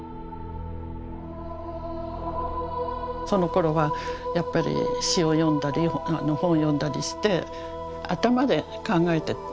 そのころはやっぱり詩を読んだり本を読んだりして頭で考えて。